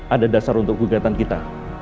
ada dasar untuk gugatan kita